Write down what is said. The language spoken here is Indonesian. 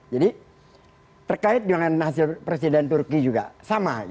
jadi terkait dengan hasil presiden turki juga sama